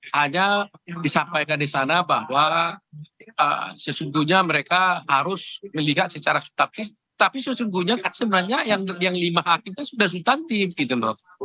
hanya disampaikan di sana bahwa sesungguhnya mereka harus melihat secara subtansi tapi sesungguhnya kan sebenarnya yang lima hakim itu sudah substantif gitu loh